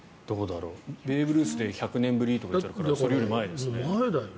ベーブ・ルースで１００年ぶりとかだからそれより前ですね。